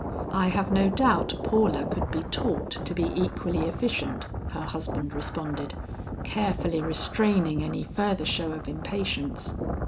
"I have no doubt Paula could be taught to be equally efficient," her husband responded, carefully restraining any further show of impatience.